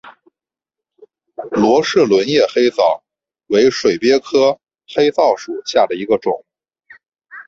罗氏轮叶黑藻为水鳖科黑藻属下的一个种。